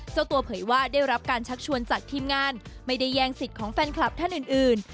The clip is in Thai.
เจ้าตัวเผยว่าได้รับการชักชวนจากทีมงานไม่ได้แย่งสิทธิ์ของแฟนคลับท่านอื่น